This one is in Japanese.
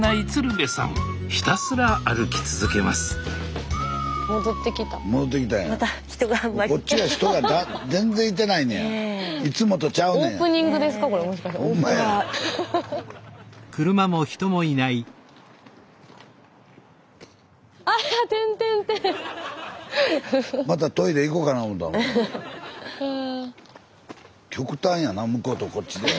スタジオ極端やな向こうとこっちで。